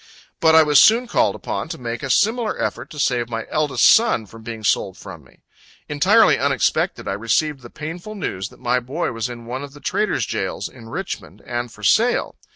But I was soon called upon to make a similar effort to save my eldest son from being sold far from me. Entirely unexpected, I received the painful news that my boy was in one of the trader's jails in Richmond, and for sale.